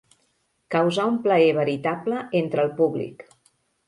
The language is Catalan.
Causar un plaer veritable entre el públic.